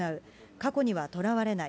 過去にはとらわれない。